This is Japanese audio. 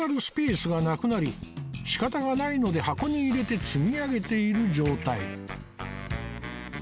スペースがなくなり仕方がないので箱に入れて積み上げている状態